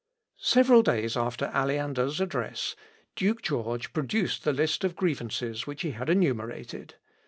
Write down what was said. Several days after Aleander's address, Duke George produced the list of grievances which he had enumerated.